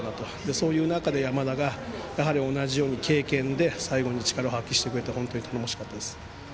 そういう中で山田が同じように経験で最後に力を発揮してくれて本当に頼もしかったです。